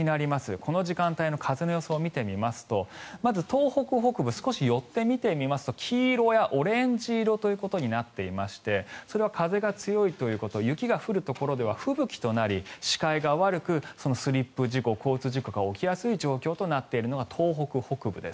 この時間帯の風の予想を見てみますとまず、東北北部少し寄って見てみますと黄色やオレンジ色ということになっていましてそれは風が強いということ雪が降るところでは吹雪となり視界が悪くスリップ事故、交通事故が起きやすい状況となっているのが東北北部です。